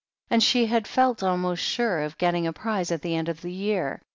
And she had felt almost sure of getting a prize at the* end of the year.